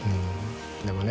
でもね